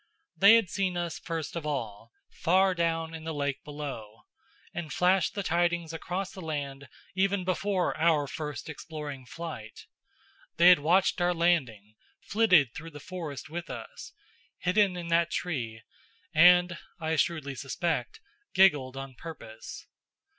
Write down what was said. They had seen us first of all, far down in the lake below, and flashed the tidings across the land even before our first exploring flight. They had watched our landing, flitted through the forest with us, hidden in that tree and I shrewdly suspect giggled on purpose.